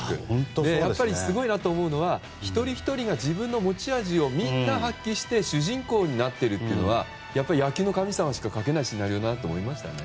やっぱり、すごいなと思うのは一人ひとりが自分の持ち味をみんな発揮して主人公になっているのは野球の神様しか書けないシナリオだと思いましたね。